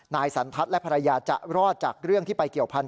นายสันทัศน์และภรรยาจะรอดจากเรื่องที่ไปเกี่ยวพันธ